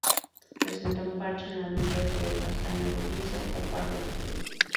Presenta un parche en la nuca de color castaño rojizo a pardo oscuro.